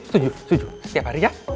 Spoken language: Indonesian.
setiap hari ya